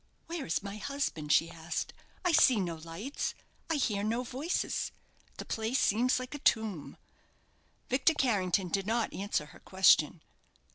"Where is my husband?" she asked. "I see no lights; I hear no voices; the place seems like a tomb." Victor Carrington did not answer her question.